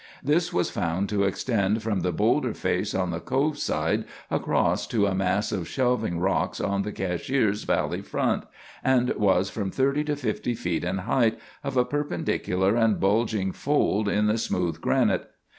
This was found to extend from the boulder face on the Cove side across to a mass of shelving rocks on the Cashiers valley front, and was from thirty to fifty feet in height, of a perpendicular and bulging fold in the smooth granite.